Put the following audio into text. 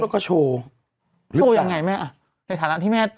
กล้วยทอด๒๐๓๐บาท